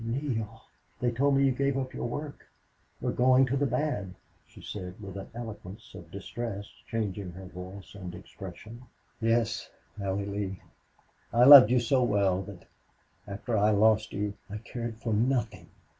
"Neale, they told me you gave up your work were going to the bad," she said, with an eloquence of distress changing her voice and expression. "Yes. Allie Lee, I loved you so well that after I lost you I cared for nothing."